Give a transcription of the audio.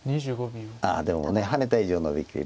でもハネた以上ノビきり。